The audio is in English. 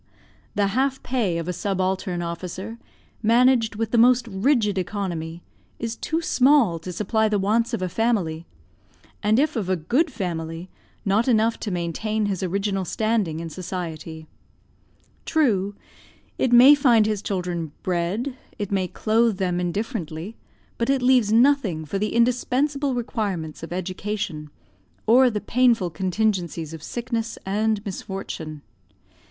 The half pay of a subaltern officer, managed with the most rigid economy, is too small to supply the wants of a family; and if of a good family, not enough to maintain his original standing in society. True, it may find his children bread, it may clothe them indifferently, but it leaves nothing for the indispensable requirements of education, or the painful contingencies of sickness and misfortune.